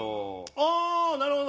ああーなるほど！